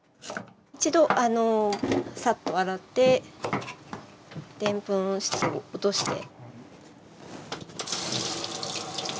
一度サッと洗ってでんぷん質を落として。